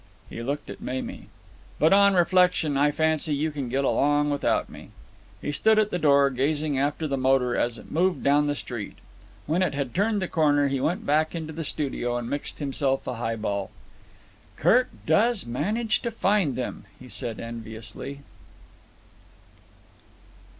He looked at Mamie. "But on reflection I fancy you can get along without me." He stood at the door, gazing after the motor as it moved down the street. When it had turned the corner he went back into the studio and mixed himself a high ball. "Kirk does manage to find them," he said enviously.